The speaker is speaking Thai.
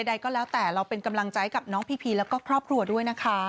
ใดก็แล้วแต่เราเป็นกำลังใจกับน้องพีพีแล้วก็ครอบครัวด้วยนะคะ